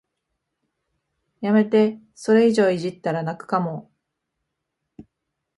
やめて、それ以上いじったら泣くかも